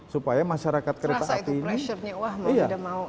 supaya masyarakat kereta api ini